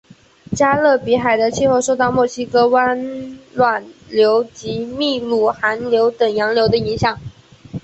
加勒比海的气候受到墨西哥湾暖流及秘鲁寒流等洋流的影响。